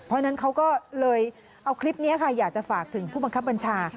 เพราะฉะนั้นเขาก็เลยเอาคลิปนี้ค่ะอยากจะฝากถึงผู้บังคับบัญชา